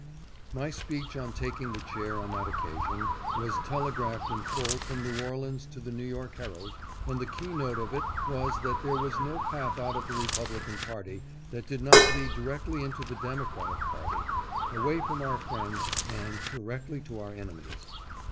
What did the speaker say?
My speech on taking the chair on that occasion was telegraphed in full from New Orleans to the New York Herald, and the key note of it was that there was no path out of the Republican party that did not lead directly into the Democratic party — away from our friends and directly to our enemies.